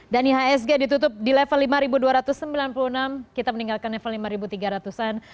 dan ihsg ditutup di level lima dua ratus sembilan puluh enam kita meninggalkan level lima tiga ratus an